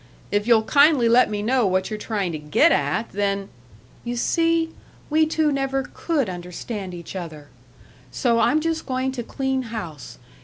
If you'll kindly let me know what you're trying to get at, then " "You see? We two never could understand each other! So I'm just going to clean house.